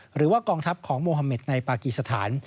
หรือว่ากองทัพของโมฮาเมดในปากีสถาน